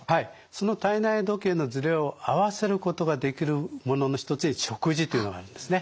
その体内時計のズレを合わせることができるものの一つに食事というのがあるんですね。